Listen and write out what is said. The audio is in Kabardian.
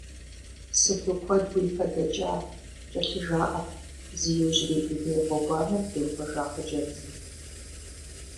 Сыту куэд уи фэ дэкӏа! — кӏэлъыжаӏэрт, зи иужьрей дуней гъуэгуанэм теувэжа хъыджэбзым.